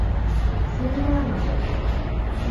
— Максим Иваныч!